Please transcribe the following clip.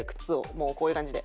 もうこういう感じで。